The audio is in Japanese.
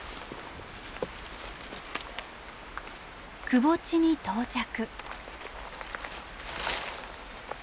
くぼ地に到着。